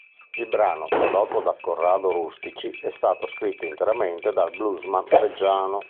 Il brano, prodotto da Corrado Rustici, è stato scritto interamente dal bluesman reggiano.